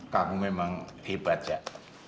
kamu memang hebat cak